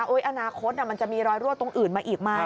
อนาคตมันจะมีรอยรั่วตรงอื่นมาอีกไหม